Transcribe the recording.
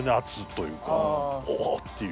「おおっ！」っていう。